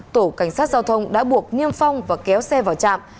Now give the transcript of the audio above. tổ cảnh sát giao thông đã buộc niêm phong và kéo xe vào trạm